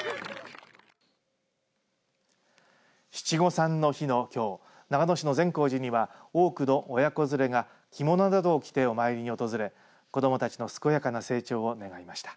七五三の日のきょう長野市の善光寺には多くの親子連れが着物などを着て、お参りに訪れ子どもたちの健やかな成長を願いました。